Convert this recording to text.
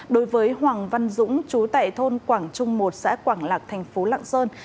đối với hoàng văn dũng trú tại thôn quảng trung một xã quảng lạc tp lạng sơn